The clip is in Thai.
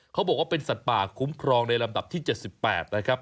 เขาบอกว่าเป็นสัตว์ป่าคุ้มครองในลำดับที่๗๘นะครับ